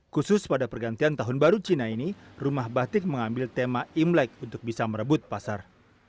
khusus pada pergantian tahun baru cina ini rumah batik mengambil tema imlek untuk bisa merebut pasar